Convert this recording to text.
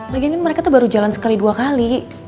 lagianin mereka tuh baru jalan sekali dua kali